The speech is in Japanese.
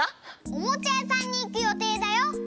おもちゃやさんにいく予定だよ！